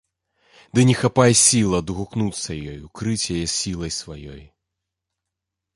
Ды не хапае сіл адгукнуцца ёй, укрыць яе сілай сваёй.